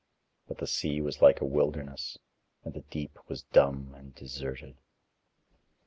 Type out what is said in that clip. But the sea was like a wilderness, and the deep was dumb and deserted.